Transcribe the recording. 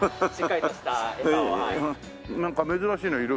なんか珍しいのいる？